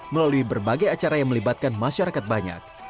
melalui berbagai acara yang melibatkan masyarakat banyak